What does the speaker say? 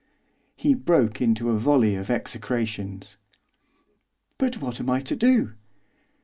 He broke into a volley of execrations. 'But what am I to do?